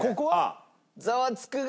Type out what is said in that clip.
『ザワつく！』が。